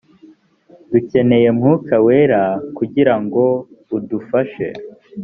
dukeneye umwuka wera kugira ngo udufashe